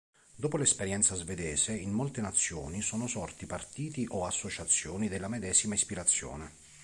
Dopo l'esperienza svedese, in molte nazioni sono sorti partiti o associazioni della medesima ispirazione.